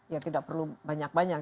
ya tidak perlu banyak banyak